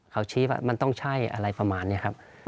เขาชี้ว่ามันต้องใช่อะไรประมาณนี้ครับ